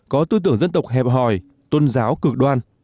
có tư tưởng dân tộc hẹp hòi tôn giáo cực đoan